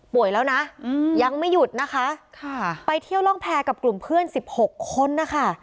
แล้วนะยังไม่หยุดนะคะค่ะไปเที่ยวร่องแพร่กับกลุ่มเพื่อนสิบหกคนนะคะ